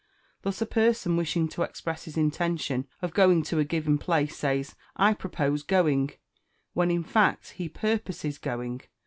Thus, a person wishing to express his intention of going to a given place, says, "I propose going," when, in fact, he purposes going.